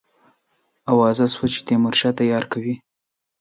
آوازه سوه چې تیمورشاه تیاری کوي.